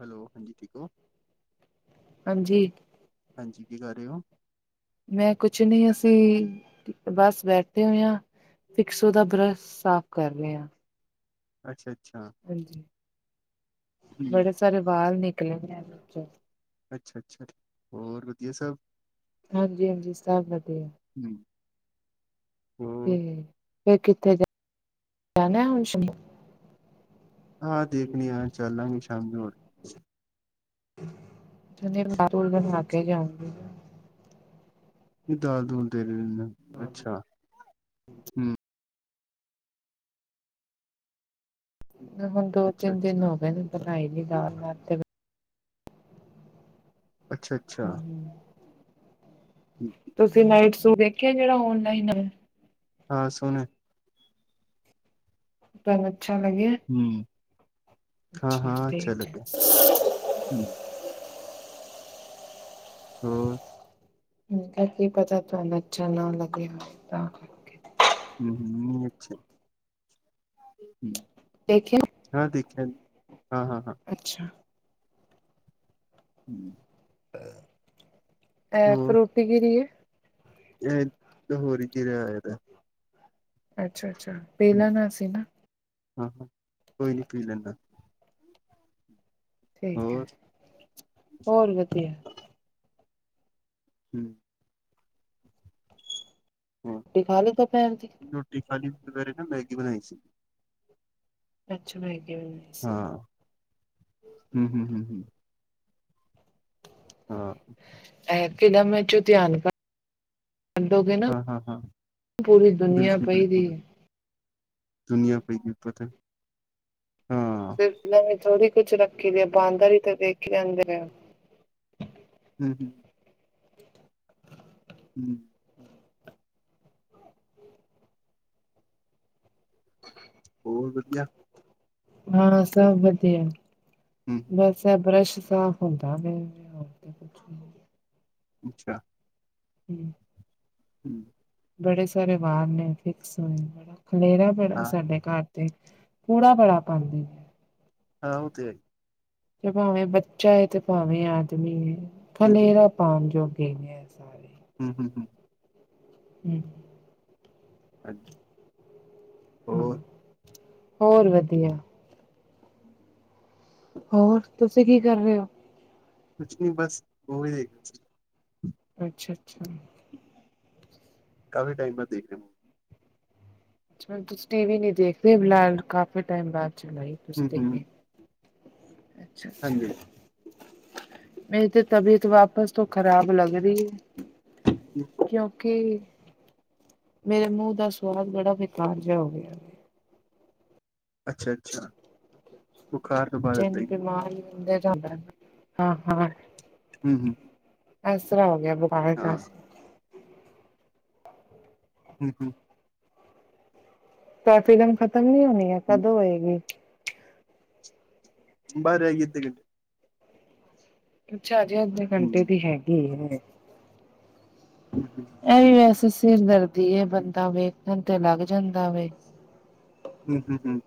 Hello ਹਾਂਜੀ ਠੀਕ ਹੋ। ਹਾਂਜੀ ਹਾਂਜੀ ਕੀ ਕਰ ਰਹੇ ਹੋ। ਮੈਂ ਕੁਛ ਨਹੀਂ ਅਸੀਂ ਬਸ ਬੈਠੇ ਹੋਏ ਹਾਂ। ਫਿਕਸੋ ਦਾ ਬਰੱਸ਼ ਸਾਫ ਕਰ ਰਹੇ ਆਂ। ਅੱਛਾ- ਅੱਛਾ ਹਾਂਜੀ ਬੜੇ ਸਾਰੇ ਬਾਲ ਨਿਕਲੇ ਵਿਚੋ ਅੱਛਾ- ਅੱਛਾ ਹੋਰ ਵਧੀਆ ਸਭ ਹਾਂਜੀ- ਹਾਂਜੀ ਸਭ ਵਧੀਆ ਹੂੰ ਤੇ ਫਿਰ ਕਿੱਥੇ ਜਾ ਜਾਣਾ ਹੁਣ ਸ਼ ਹਾਂ ਦੇਖਣੀ ਆ ਚੱਲ ਲਾਂਗੇ ਸ਼ਾਮੀ ਹੋਰ [unintelligible] ਬਣਾ ਕੇ ਜਾਊਂਗੀ। ਨਹੀਂ ਦਾਲ ਦੂਲ ਦੇ ਦੇਣੀ ਸੀ ਨਾ ਅੱਛਾ। ਹਮ ਹੁਣ ਦੋ ਅੱਛਾ ਤਿੰਨ ਦਿਨ ਅੱਛਾ ਹੋ ਗਏ ਨੇ ਬਣਾਈ ਨੀ ਦਾਲ ਮੈਂ ਤੇ ਅੱਛਾ- ਅੱਛਾ ਠੀਕ ਤੁਸੀਂ ਨਾਈਟ ਸੂ ਦੇਖਿਆ ਜਿਹੜਾ ਓਨਲਾਈਨ ਹੈ। ਹਾਂ ਸੋਹਣਾ ਤੁਹਾਨੂੰ ਅੱਛਾ ਲੱਗਿਆ। ਹੂੰ ਹਾਂ -ਹਾਂ ਅੱਛਾ ਠੀਕ ਹੈ ਲੱੱਗਾਿਆ ਹੂੰ। ਹੋਰ ਮੈਂ ਕਿਹਾ ਕੀ ਪਤਾ ਤੁਹਾਨੂੰ ਅੱਛਾ ਨਾ ਲਗੇ ਤਾਂ ਕਰਕੇ ਹੂੰ-ਹੂੰ ਅੱਛਾ ਦੇਖਿਆ। ਹਾਂ ਦੇਖਿਆ ਹਾਂ-ਹਾਂ-ਹਾਂ। ਅੱਛਾ [inaudible] ਇਹ ਹੋਰ ਫਰੂਟੀ ਕਿਹਦੀ ਏ। ਇਹ ਲਹੋਰੀ ਜੀਰਾ ਆਇਆ ਦਾ। ਅੱਛਾ-ਅੱਛਾ ਪੀ ਲੈਣਾ ਸੀ ਨਾ। ਹਾਂ-ਹਾਂ ਕੋਈ ਨਹੀਂ ਪੀ ਲੈਂਣਾ। ਠੀਕ ਹੈ ਹੋਰ ਹੋਰ ਵਧੀਆ ਹਮ। ਰੋਟੀ ਖਾਲੀ ਦੁਪਹਿਰ ਦੀ। ਰੋਟੀ ਖਾਲੀ ਦੁਪਹਿਰੇ ਨਾ ਮੈਗੀ ਬਣਾਈ ਸੀ। ਅੱਛਾ ਮੈਗੀ ਬਣਾ ਹਾਂ ਹਮ-ਹਮ, ਹਮ। ਹਾਂ। [unintelligible] ਛੱਡੋਗੇ ਨਾ ਹਾਂ ਹਾਂ ਹਾਂ ਪੂਰੀ ਦੁਨੀਆਂ ਬਿਲਕੁਲ ਪਈ ਦੀ ਬਿਲਕੁਲ ਏ। [unintelligible] ਹਾਂ। [unintelligible] ਤੇ ਥੋੜ੍ਹੀ ਕੁੱਝ ਰੱਖੀ ਦੀ ਆ ਬਾਂਦਰ ਹੀ ਤੇ ਦੇਖ ਲੈਂਦੇ ਨੇ। ਹਮ-ਹਮ। ਹਮ। ਹੋਰ ਵਧੀਆ। ਹਾਂ ਸਭ ਵਧੀਆ। ਹਮ। ਵੈਸੇ ਬਰੱਸ਼ ਸਾਫ਼ ਹੁੰਦਾ ਪਿਆ। ਹੋਰ ਤੇ ਕੁਛ ਨਹੀਂ ਅੱਛਾ। ਹਾ ਹਮ। ਬੜੇ ਸਾਰੇ ਵਾਲ ਨੇ ਫਿਕਸ ਖਲੇਰਾ ਬੜਾ ਹਾਂ ਸਾਡੇ ਘਰ। ਤੇ ਕੂੜਾ ਬੜਾ ਪਾਂਦੀ ਏ। ਹਾਂ ਉਹ ਤੇ ਹੈ ਜੇ ਭਾਵੇਂ ਬੱਚਾ ਹੈ ਤੇ ਭਾਵੇਂ ਆਦਮੀ ਹੈ ਹੂੰ ਖਲੇਰਾ ਪਾਉਣ ਜੋਗੇ ਨੇ। ਇਹ ਸਾਰੇ। ਹਮ-ਹਮ-ਹਮ। ਹਮ। ਹਾਂਜੀ ਹਾਂ ਹੋਰ। ਹੋਰ ਵਧੀਆ। ਹੋਰ ਤੁਸੀ ਕੀ ਕਰ ਰਹੇ ਹੋ। ਕੁਛ ਨੀ ਬਸ ਮੂਵੀ ਦੇਖ ਰਹੇ ਸੀ। ਅੱਛਾ-ਅੱਛਾ। ਕਾਫੀ ਟਾਈਮ ਬਾਅਦ ਦੇਖ ਰਿਹਾ ਮੂਵੀ। ਅੱਛਾ ਤੁਸੀਂ ਟੀ ਵੀ ਨੀ ਦੇਖਦੇ ਫਿਲਹਾਲ ਕਾਫੀ ਟਾਈਮ ਬਾਅਦ ਚਲਾਈ ਤੁਸੀ ਹੂੰ ਹੂੰ [unintelligible] ਹਾਂਜੀ ਅੱਛਾ-ਅੱਛਾ। ਮੇਰੀ ਤੇ ਤਬੀਅਤ ਵਾਪਸ ਤੋਂ ਖ਼ਰਾਬ ਲੱਗ ਰਹੀ ਹੈ। ਹਾਂਜੀ ਕਿਉਂਕਿ ਮੇਰੇ ਮੂੰਹ ਦਾ ਸਵਾਦ ਬੜਾ ਬੇਕਾਰ ਜਿਹਾ ਹੋ ਗਿਆ। ਅੱਛਾ-ਅੱਛਾ। ਬੁਖਾਰ [unintelligible] ਹਾਂ-ਹਾਂ। ਹਮ-ਹਮ। ਐਸਰਾ ਹੋ ਗਿਆ ਬੁਖਾਰ ਨਾਲ। ਹ-ਹ। ਤਾ ਇਹ ਫ਼ਿਲਮ ਖ਼ਤਮ ਨੀ ਹੋਣੀ ਹੈ ਕਦੋਂ ਹੋਏਗੀ? ਬਸ ਰਹਿ ਗਈ [unintelligible] ਅੱਛਾ ਹਜੇ ਅੱਧੇ ਹੂੰ ਘੰਟੇ ਦੀ ਹੈਗੀ ਹੈ। ਹਮ-ਹਮ। ਇਹ ਵੀ ਵੈਸੇ ਸਿਰ ਦਰਦੀ ਏ ਬੰਦਾ ਵੇਖਣ ਤੇ ਲੱਗ ਜਾਂਦਾ ਵੇ। ਹੁ-ਹੂੰ, ਹੂੰ।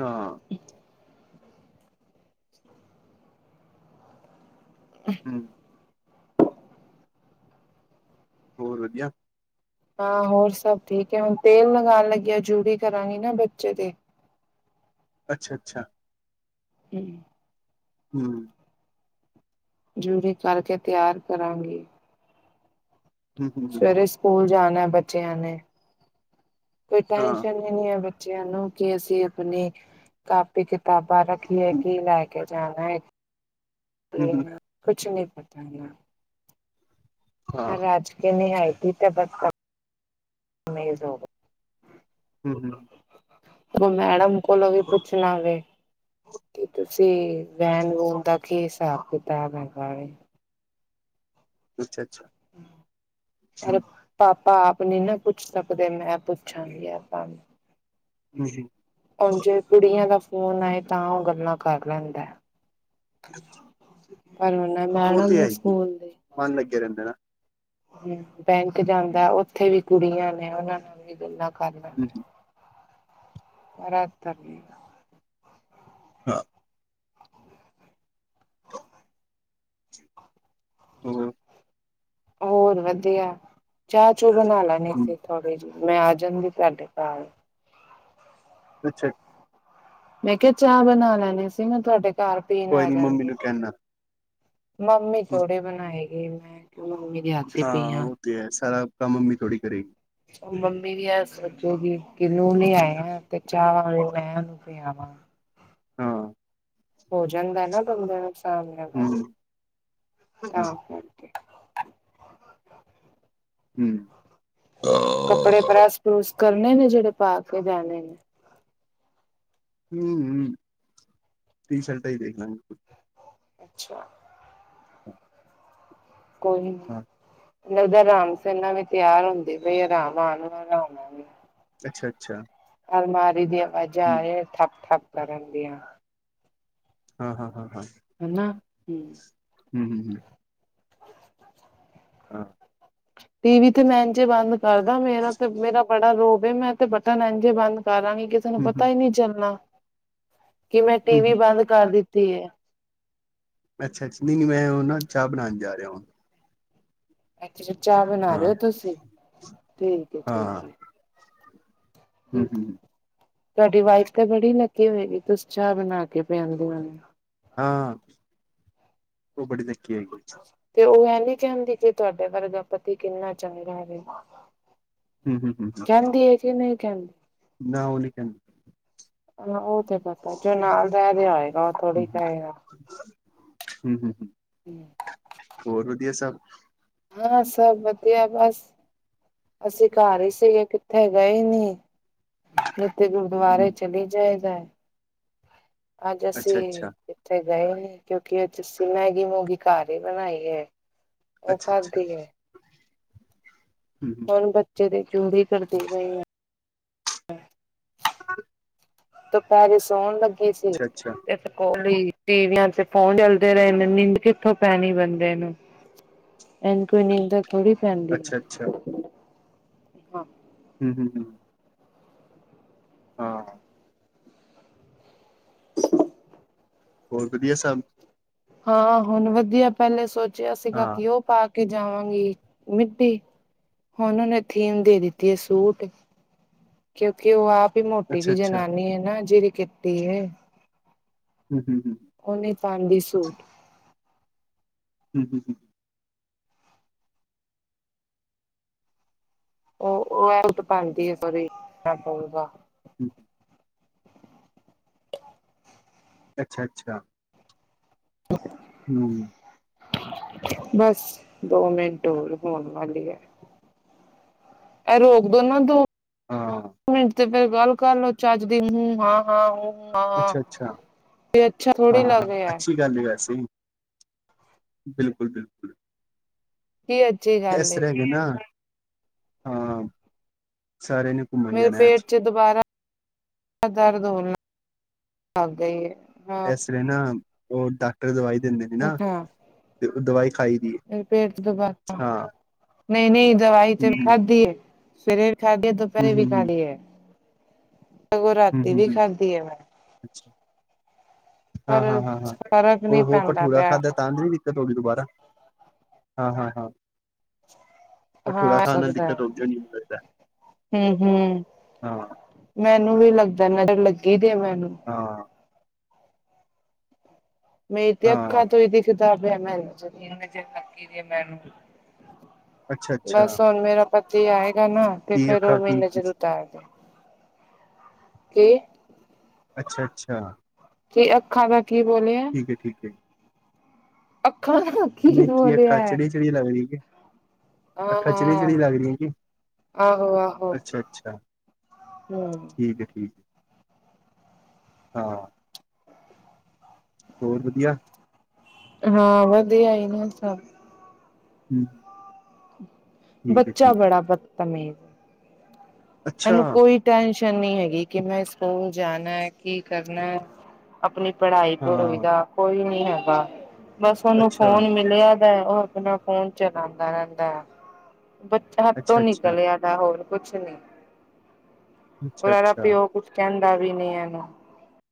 ਹਾਂ [inaudible] ਹਮ ਹੋਰ ਵਧੀਆ। ਹਾਂ ਹੋਰ ਸਭ ਠੀਕ ਹੈ। ਹੁਣ ਤੇਲ ਲਗਾਉਣ ਲੱਗੀ ਆ। ਜੂੜੀ ਕਰਾਂਗੀ ਨਾ ਬੱਚੇ ਦੀ ਅੱਛਾ-ਅੱਛਾ ਹੂੰ ਹੂੰ ਜੂੜੀ ਕਰਕੇ ਤਿਆਰ ਕਰਾਂਗੀ ਹੂੰ ਹੂੰ ਸਵੇਰੇ ਸਕੂਲ ਜਾਣਾ ਬੱਚਿਆਂ ਨੇ, ਕੋਈ ਹਾਂ ਟੈਸ਼ਨ ਬੱਚਿਆਂ ਨੂੰ ਕਿ ਅਸੀਂ ਆਪਣੇ, ਕਾਪੀ-ਕਿਤਾਬਾਂ ਰੱਖੀਏ ਕੀ ਲੈ ਕੇ ਜਾਣਾਏ, ਹੂੰ ਹੂੰ ਕੁਛ ਨੀ ਪਤਾ ਮੈਨੂੰ ਹਾਂ [unintelligible] ਹੂੰ ਹੂੰ ਉਹ ਮੈਡਮ ਕੋਲੋਂ ਵੀ ਪੁੱਛਣਾ ਵੇ ਤੇ ਤੁਸੀਂ ਵੈਨ-ਵੂਨ ਦਾ ਕੀ ਹਿਸਾਬ- ਕਿਤਾਬ ਹੈਗਾ ਵੇ ਅੱਛਾ-ਅੱਛਾ- ਪਰ ਪਾਪਾ ਆਪ ਨੀ ਨਾ ਪੁੱਛ ਸਕਦੇ। ਮੈਂ ਪੁੱਛਾਂਗੀ ਪਾਪਾ ਨੂੰ ਓਨਜੇ ਕੁੜੀਆਂ ਦਾ ਫੋਨ ਆਏ ਤਾਂ ਉਹ ਗੱਲਾਂ ਕਰ ਲੈਂਦਾ ਪਰ ਓਹਨਾ ਉਹ ਮੈਡਮ ਤੇ ਏ ਹੈ ਹੀ ਸਕੂਲ ਦੇ ਮਨ ਲਗਿਆ ਰਹਿੰਦੇ ਨਾ ਹੂੰ। ਬੈਂਕ ਜਾਂਦਾ ਉੱਥੇ ਵੀ ਕੁੜੀਆਂ ਨੇ ਉਹਨਾਂ ਨਾਲ ਵੀ ਗੱਲਾਂ ਕਰ ਲੈਂਦਾ ਪਰਾ ਤੱਕ। ਹਾਂ ਹੋਰ ਹੋਰ ਵਧੀਆ ਚਾਹ- ਚੂੰ ਬਣਾ ਲੇ ਨੀ ਸੀ ਥੋੜੇ ਜੀ ਮੈਂ ਆ ਜਾਂਦੀ ਤੁਹਾਡੇ ਘਰ ਅੱਛਾ ਮੈਂ ਕਿਹਾ ਚਾਹ ਬਣਾ ਲੈਣੀ ਸੀ। ਮੈਂ ਤੁਹਾਡੇ ਘਰ ਪੀਣ ਕੋਈ ਆ ਨੀ ਮੰਮੀ ਜਾਂਦੀ ਨੂੰ ਕਹਿਣਾ ਮੰਮੀ ਥੋੜੀ ਬਣਾਏ ਗੀ। ਮੈਂ ਕਿਯੋ ਮੰਮੀ ਦੇ ਹੱਥ ਦੀ ਹਾਂ। ਪਈ ਆ। ਉਹ ਤੇ ਹੈ ਸਾਰਾ ਕੰਮ ਮੰਮੀ ਥੋੜ੍ਹੀ ਕਰੇਗੀ ਓ ਮੰਮੀ ਵੀ ਇਹ ਸੋਚੋੁਗੀ ਕੀ ਨੂੰਹ ਨੀ ਹੈ। ਤੇ ਚਾਹ ਵਾਂਰੀ ਮੈਂ ਤੇ ਆਵਾਂ। ਹਾਂ ਹੋਜਾਦਾ ਨਾ ਕਮਲਾ ਇਨਸਾਨ ਗੱਲ ਹੂੰ ਕਰਕੇ, ਤਾਂ ਉਹ ਹੂੰ ਕੱਪੜੇ ਪ੍ਰੈਸ-ਪ੍ਰੂਸ ਕਰਨੇ ਨੇ ਜਿਹੜੇ ਪਾ ਕੇ ਪਾਕੇ ਜਾਨੇ ਨੇ ਹੂੰ-ਹੂੰ ਟੀਸ਼ਲਟਾ ਹੀ ਦੇਖ ਲਾਂ ਗੇਂ ਕੋਈ ਅੱਛਾ [inaudible] ਕੋਈ ਹਾਂ ਨਾ ਉਦਾਰ ਰਾਮ ਸੈਨਾ ਵੀ ਤਿਆਰ ਹੁੰਦੇ ਪਈਏ। ਰਾਮ ਆਗਿਆ ਰਾਮ ਆਜਾਗੀ। ਅੱਛਾ ਅੱਛਾ। ਅਲਮਾਰੀ ਦੀਆਂ ਵਾਜਾ ਆਏ ਠੱਪ-ਠੱਪ ਕਰਨ ਦੀਆਂ। ਹਾਂ ਹਾਂ। ਹਾਂ ਹਾਂ ਹਨਾ ਹੂੰ। ਹੂੰ ਹੂੰ। ਹਾਂ। ਟੀ ਵੀ ਤੇ ਮੈਂ ਇੰਝ ਬੰਦ ਕਰਦਾ ਮੇਰਾ ਤੇ ਮੇਰਾ ਬੜਾ ਰੋਬ ਮੈਂ ਤੇ ਬਟਨ ਇੰਝੇ ਬੰਦ ਕਰਾਂਗੀ। ਕਿਸੇ ਨੂੰ ਹੂੰ ਹੂੰ ਪਤਾ ਹੀ ਨਹੀਂ ਚੱਲਣਾ। ਕਿ ਮੈਂ ਟੀ ਵੀ ਬੰਦ ਕਰ ਦਿੱਤੀ ਏ। ਅੱਛਾ ਨਹੀਂ, ਨੀ ਮੈਂ ਉਹ ਨਾ ਚਾਹ ਬਣਾਉਣ ਜਾ ਰਿਹਾ ਵਾ। ਅੱਛਾ ਅੱਛਾ। ਚਾਹ ਬਣਾ ਹਾਂ ਰਹੇ ਹੋ ਤੁਸੀਂ, ਠੀਕ ਹੈ ਹਾਂ ਠੀਕ ਹੈ‌। ਹੂੰ ਹੂੰ ਤੁਹਾਡੀ ਵਾਈਫ ਤਾਂ ਬੜੀ ਲੱਕੀ ਹੋਏਗੀ, ਤੁਸੀਂ ਚਾਹ ਬਣਾ ਕੇ ਪਿਆਂਦੇ ਹੋ। ਹਾਂ, ਉਹ ਬੜੀ ਲੱਕੀ ਆਈ ਗਈ। ਤੇ ਉਹ ਇਹ ਨੀ ਕਹਿੰਦੀ ਕਿ ਤੁਹਾਡੇ ਵਰਗਾ ਪਤੀ ਕਿੰਨਾ ਚੱਗਾ ਐ ਵੇਖੋ। ਕਹਿੰਦੀ ਏ ਕਿ ਨਹੀਂ ਕਹਿੰਦੀ? ਨਾ ਉਹ ਨੀ ਹਾਂ ਉਹ ਤੇ ਪਤਾ ਜੋ ਨਾਲ ਰਹਿ ਰਿਹਾ ਹੋਏਗਾ ਉਹ ਥੋੜੀ ਕਏਗਾ। ਹਮ ਹਮ ਹਮ। [inaudible] ਹੋਰ ਵਧੀਆ ਸਭ? ਹਾਂ ਸਭ ਵਧੀਆ ਬਸ। ਅਸੀਂ ਘਰ ਹੀ ਸੀਗੇ ਕਿ ਉੱਥੇ ਗਏ ਨੀ, ਜਿੱਥੇ ਗੁਰਦੁਆਰੇ ਚਲੀ ਜਾਏ ਤਾਂਏ ਅੱਜ ਅੱਛਾ ਅਸੀਂ, ਅੱਛਾ ਇੱਥੇ ਗਏ ਨੀ ਕਿਉਂਕਿ ਅੱਜ ਅਸੀਂ ਮੈਗੀ ਮੂਗੀ ਘਰ ਹੀ ਬਣਾਈ ਐ। ਅੱਛਾ, ਅੱਛਾ। ਹ ਹੁਣ ਬੱਚੇ ਦੀ ਜੂੜੀ ਕਰਦੀ ਪਈ ਆਂ। ਹਾਂ। ਦੁਪਹਿਰੇ ਸੋਣ ਲੱਗੀ ਸੀ, ਅੱਛਾ ਅੱਛਾ ਤੇ ਇੱਕ ਕੋਲੀ ਟੀਵੀਆਂ ਤੇ ਫੋਨ ਚਲਦੇ ਰਹੇ ਨੇ, ਨਿੰਂਦ ਕਿੱਥੋਂ ਪੈਣੀ ਬੰਦੇ ਨੂੰ। [unintelligible] ਅੱਛਾ ਅੱਛਾ। ਹਾਂ ਹਮ ਹਮ ਹਮ। ਹਾਂ। ਹੋਰ ਵਧੀਆ ਸਬ? ਹਾਂ ਹੁਣ ਵਧੀਆ ਪਹਿਲੇ ਸੋਚਿਆ ਸੀਗਾ ਹਾਂ ਕਿ ਉਹ ਪਾ ਕੇ ਜਾਵਾਂਗੀ, ਮਿੱਟੀ ਹੁਣ ਉਹਨੇ ਥੀਮ ਦੇ ਦਿੱਤੀ ਏ ਸੂਟ ਕਿਉਂਕਿ ਉਹ ਆਪ ਹੀ ਮੋਟੀ ਅੱਛਾ ਜਿ ਅੱਛਾ ਜਨਾਨੀ ਏ ਨਾ, ਜਿਹੜੀ ਕਿੱਟੀ ਹੈ। ਹਮ ਹੂੰ ਹੂੰ। ਓ ਨੀਂ ਪਾਂਦੀ ਸੂਟ। ਹਮ ਹਮ ਹਮ। ਉਹ ਉਹ ਐਂਡ ਪਣਦੀ [unintelligible] ਹਮ। ਅੱਛਾ, ਅੱਛਾ। ਹਮ। ਬਸ ਦੋ ਮਿੰਟ ਹੋਰ, ਹੋਨ ਵਾਲੀ ਐ। ਇਹ ਰੋਕ ਦੋ ਨਾ ਦੋ, ਹਾਂ ਮਿੰਟ ਤੇ ਫਿਰ ਗੱਲ ਕਰਲੋ ਚੱਜ ਦੀ ਹੂੰ ਹਾਂ ਹਾਂ ਹੂੰ। ਹਾਂ, ਅੱਛਾ ਅੱਛਾ ਤੇ ਅੱਛਾ ਥੋੜ੍ਹੀ ਲੱਗ ਰਿਹਾ। ਚੱਲ ਗਿਆ ਸੀ, ਬਿਲਕੁਲ ਬਿਲਕੁਲ। ਕੀ ਅੱਛਾ ਜੀ। [unintelligible] ਇਸ ਰ ਵੀ ਨਾ, ਹਾਂ, ਸਾਰੇ ਨੇ। ਘੁੰਮਣ ਮੇਰੇ ਜਾਣਾ ਅੱਜ ਪੇਟ ਚ ਦੁਬਾਰਾ ਦਰਦ ਹੋਣ ਲਈ ਗਈ ਹੈ। [unintelligible] ਇਸ ਲਈ ਨਾ ਉਹ ਡਾਕਟਰ ਦਵਾਈ ਦਿੰਦੇ ਨੇ ਨਾ ਅੱਛਾ ਤੇ ਉਹ ਦਵਾਈ ਖਾਈ ਦੀ, ਮੇਰੇ ਪੇਟ ਦੁਬਾਰਾ ਹਾਂ। ਨਹੀਂ ਨਹੀਂ, ਦਵਾਈ ਹੂੰ ਤੇ ਵੀ ਖਾਧੀ ਏ, ਸਵੇਰੇ ਵੀ ਖਾਕੇ, ਹੂੰ ਦੁਪਹਿਰੇ ਵੀ ਖਾ ਹੂੰ ਲਈ ਐ। ਸਗੋਂ ਹੂੰ ਰਾਤੀ ਹੂੰ ਵੀ ਹੂੰ ਖਾਦੀ ਏ ਮੈਂ। ਹਾਂ, ਪਰ ਹਾਂ, ਹਾਂ, ਹਾਂ, ਫ਼ਰਕ ਹੋ, ਨਹੀਂ ਹੋ, ਪੈਂਦਾ ਭਠੂਰਾ ਪਿਆ ਖਾਧਾ। ਤਾਂਦਰੀ ਦਿੱਕਤ ਹੋਗੀ ਦੁਬਾਰਾ, ਹਾਂ, ਹਾਂ, ਹਾਂ। ਭਠੂਰਾ ਖਾਣ ਨਾਲ ਦਿੱਕਤ ਹੋਗੀ ਹੋਨੀ, ਮੈਨੂੰ ਲਗਦਾ। ਹਮ ਹਮ, ਮੈਨੂੰ ਵੀ ਲੱਗਦੈ ਨਜਰ ਲੱਗੀ ਦੇ ਮੈਨੂੰ। ਹਾਂ। ਮੇਰੀ ਤੇ ਹਾਂ ਅੱਖਾਂ ਤੋਂ ਹੀ ਦੀਖਦਾ ਪੇਆ ਕਿ ਨਜਰ ਲਗੀ ਦੀ ਹੈ ਮੈਨੂੰ। ਅੱਛਾ ਅੱਛਾ ਬਸ ਹੁਣ, ਮੇਰਾ ਪਤੀ ਆਏਗਾ ਨਾ, ਤੇ ਕੀ ਫੇਰ ਉਹ ਅੱਖਾਂ ਮੇਰੀ ਕੀ ਨਜ਼ਰ ਕਿਸ ਉਤਾਰ ਦੇ। ਕਿ। ਅੱਛਾ ਅੱਛਾ। ਕੀ, ਅੱਖਾਂ ਦਾ ਕੀ ਬੋਲਿਆ। ਠੀਕ ਹੈ‌, ਠੀਕ ਹੈ। ਅੱਖਾਂ ਕੀ ਨਈ ਕਿ ਅੱਖਾਂ ਬੋਲਿਆ ਹੈ ਚੜੀ-ਚੜੀ ਲੱਗ ਰਹੀ ਕੀ। ਅੱਖਾਂ ਹਾਂ ਚੜੀ-ਚਿੜੀ ਲੱਗ ਰਹੀਆਂ ਕੀ, ਆਹੋ ਆਹੋ ਅੱਛਾ-ਅੱਛਾ। ਹੂੰ ਠੀਕ ਹੈ ਠੀਕ ਹਾਂ। ਹੋਰ ਵਧੀਆ। ਹਾਂ, ਵਧੀਆ ਈ ਨੇ ਸਭ। ਹਮ। ਠੀਕ ਹੈ ਬੱਚਾ ਠੀਕ ਬੜਾ ਬਤਮੀੇਜ਼ ਅੱਛਾ ਇਹਨੂੰ ਕੋਈ ਟੈਨਸ਼ਨ ਨਹੀਂ ਹੈਗੀ ਕਿ ਮੈਂ ਸਕੂਲ ਜਾਣਾ ਕੀ ਕਰਨਾ। ਆਪਣੀ ਪੜ੍ਹਾਈ ਪੜੂਈ ਹਾਂ ਦਾ ਕੋਈ ਨੀ ਹੈਗਾ, ਬਸ ਉਹਨੂੰ ਅੱਛਾ ਫੋਨ ਮਿਲਿਆ ਦਾ ਉਹ ਆਪਣਾ ਫੋਨ ਚਲਾਦਾ ਰਹਿੰਦਾ ਹੈ, ਬੱਚਾ ਹੱਥੋਂ ਅੱਛਾ ਅੱਛਾ ਨਿਕਲਿਆ ਦਾ ਹੋਰ ਕੁਛ ਨੀ। ਅੱਛਾ ਹੋਰ ਐਦਾ ਅੱਛਾ ਪਿਓ ਕੁਛ ਕਹਿੰਦਾ ਵੀ ਨੀ ਇਹਨੂ।